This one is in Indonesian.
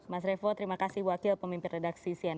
mas revo terima kasih wakil pemimpin redaksi cnn